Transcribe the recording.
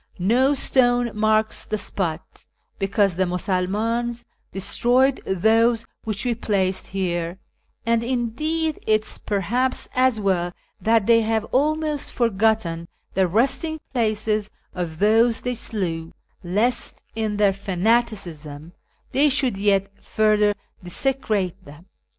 No stone marks the spot, because the Musulmtins destroyed those which we placed here, and, indeed, it is perhaps as well that they have almost forgotten the resting places of those they slew, lest, in their fanaticism, they should yet further desecrate them.